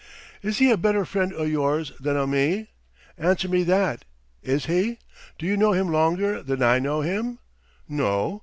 "Is he a better friend o' yours than o' me? Answer me that. Is he? Do you know him longer than I know him? No?